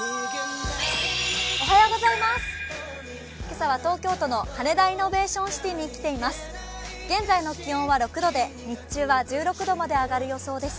今朝は東京都の羽田イノベーションシティに来ています。